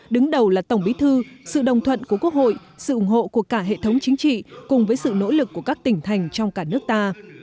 đứng đầu là tổng bí thư sự đồng thuận của quốc hội sự ủng hộ của cả hệ thống chính trị cùng với sự nỗ lực của các tỉnh thành trong cả nước ta